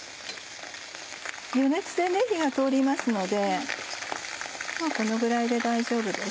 余熱で火が通りますのでこのぐらいで大丈夫です。